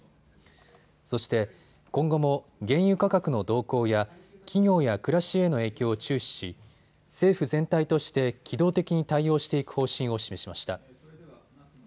そして今後も原油価格の動向や企業や暮らしへの影響を注視し政府全体として機動的に対応していく方針を示しました。